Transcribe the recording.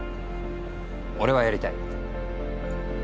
俺はやりたい。